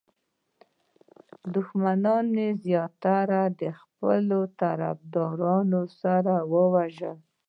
دښمنان یې زیاتره د خپلو طرفدارانو سره وژل.